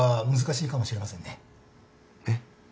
えっ？